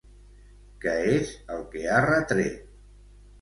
Què és el que ha retret?